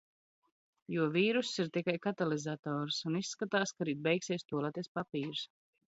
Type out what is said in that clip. Jo vīruss ir tikai katalizators. Un izskatās, ka rīt beigsies tualetes papīrs.